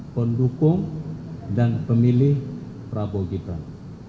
pendukung dan pemilih prabowo gibran